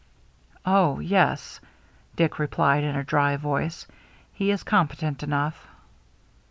" Oh, yes," Dick replied in a dry voice, " he is competent enough."